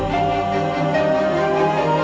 lalu ia wah